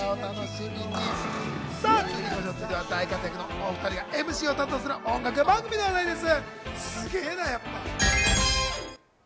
続いては大活躍のお２人がＭＣを担当する音楽番組の話題です。